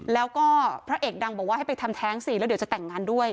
แล้วก็พระเอกดังบอกว่าให้ไปทำแท้งสิแล้วเดี๋ยวจะแต่งงานด้วย